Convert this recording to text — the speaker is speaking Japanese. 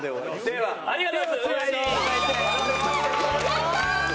やったー！